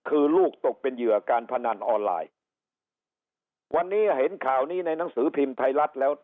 คือลูกตกเป็นเหยื่อการพนันออนไลน์วันนี้เห็นข่าวนี้ในหนังสือพิมพ์ไทยรัฐแล้ว